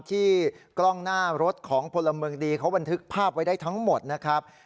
กล้องหน้ารถของพลเมืองดีเขาบันทึกภาพไว้ได้ทั้งหมดนะครับ